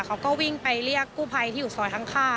เขาก็วิ่งไปเรียกกู้ภัยที่อยู่ซอยข้าง